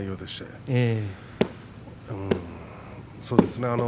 そうですね。